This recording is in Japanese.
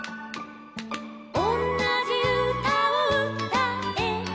「おんなじうたをうたえば」